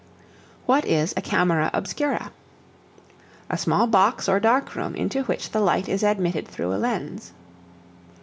What is a Camera Obscura? A small box or dark room into which the light is admitted through a lens.